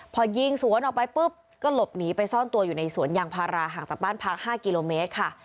พอยิงสวนออกไปปุ๊บก็หลบหนีไปซ่อนตัวอยู่ในสวนยางพาราห่างจากบ้านพัก๕กิโลเมตรค่ะ